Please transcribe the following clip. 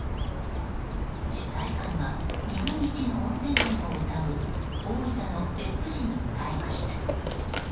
取材班は日本一のおんせん県をうたう大分の別府市に向かいました。